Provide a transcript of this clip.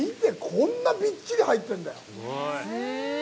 こんなびっちり入ってんだよ。